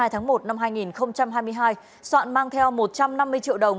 hai mươi tháng một năm hai nghìn hai mươi hai soạn mang theo một trăm năm mươi triệu đồng